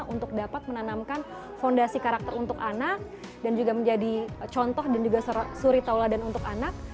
untuk dapat menanamkan fondasi karakter untuk anak dan juga menjadi contoh dan juga suri tauladan untuk anak